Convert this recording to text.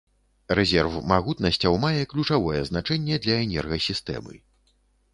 Рэзерв магутнасцяў мае ключавое значэнне для энергасістэмы.